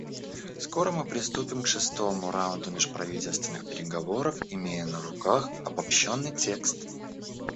Скоро мы приступим к шестому раунду межправительственных переговоров, имея на руках обобщенный текст.